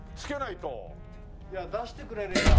いや出してくれれば。